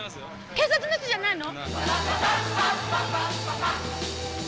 警察の人じゃないの？